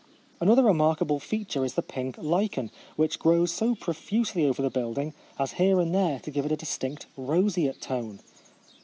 Another remarkable feature is the pink lichen, which grows so profusely over the building as here and there to give to it a distinct roseate tone.